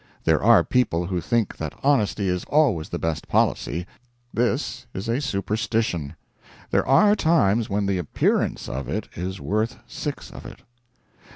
There are people who think that honesty is always the best policy. This is a superstition; there are times when the appearance of it is worth six of it.